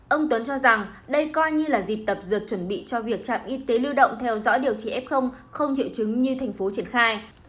ông tuấn cho rằng đây coi như là dịp tập dượt chuẩn bị cho việc trạm y tế lưu động theo dõi điều trị f không triệu chứng như thành phố triển khai